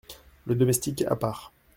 Le Domestique , à part.